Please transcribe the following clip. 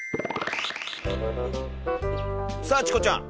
さあチコちゃん。